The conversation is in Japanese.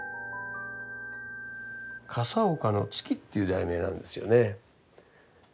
「笠岡之月」っていう題名なんですよね。